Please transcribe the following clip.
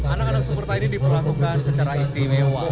anak anak supporter ini diperlakukan secara istimewa